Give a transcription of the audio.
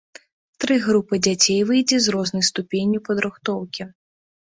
Тры групы дзяцей выйдзе з рознай ступенню падрыхтоўкі.